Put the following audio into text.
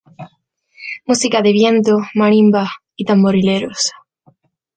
Música de viento, marimba y tamborileros.